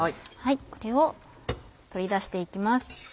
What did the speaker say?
これを取り出して行きます。